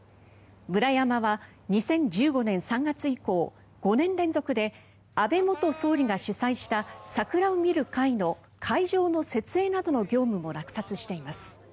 ムラヤマは２０１５年３月以降５年連続で安倍元総理が主催した桜を見る会の会場の設営などの業務も落札しています。